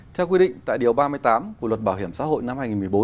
theo quy định tại điều ba mươi tám của luật bảo hiểm xã hội năm hai nghìn một mươi bốn